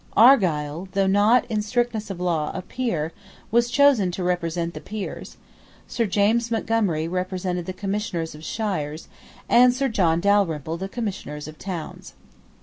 Argyle, though not, in strictness of law, a Peer, was chosen to represent the Peers: Sir James Montgomery represented the Commissioners of Shires, and Sir John Dalrymple the Commissioners of Towns.